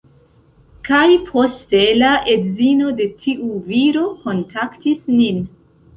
Kaj poste la edzino de tiu viro kontaktis nin